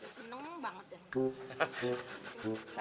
seneng banget ya